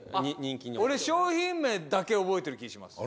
俺商品名だけ覚えてる気ぃします。